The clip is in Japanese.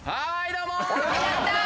どうも！